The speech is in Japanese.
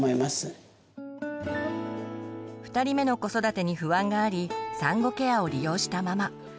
２人目の子育てに不安があり産後ケアを利用したママ。